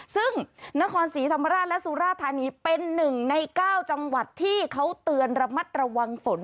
ซึ่งนครศรีธรรมราชและสุราธานีเป็น๑ใน๙จังหวัดที่เขาเตือนระมัดระวังฝน